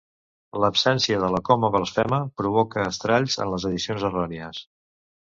L'absència de la "coma blasfema" provoca estralls en les edicions errònies.